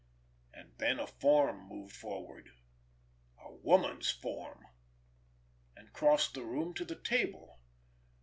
And then a form moved forward—a woman's form—and crossed the room to the table.